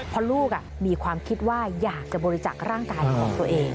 เพราะลูกมีความคิดว่าอยากจะบริจักษ์ร่างกายของตัวเอง